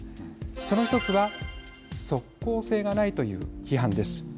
その１つは即効性がないという批判です。